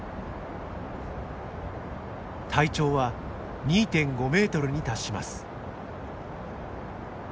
体長は２．５メートルに達します。